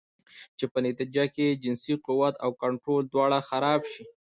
چې پۀ نتيجه کښې ئې جنسي قوت او کنټرول دواړه خراب شي